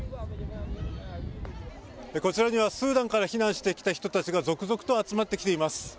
こちらにはスーダンから避難してきた人たちが続々と集まってきています。